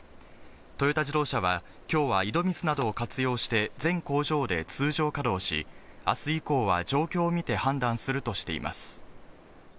トヨタ自動車はきょうは井戸水などを活用して全工場で通常稼働し、あす以降は状況を見て判断するとしています。